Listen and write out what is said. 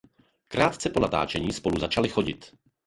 Krátce po natáčení spolu začali chodit.